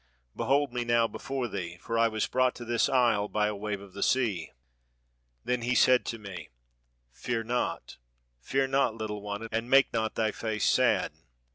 Behold me now before thee, for I was brought to this isle by a wave of the sea.' "Then said he to me, 'Fear not, fear not, Httle one, and make not thy face sad.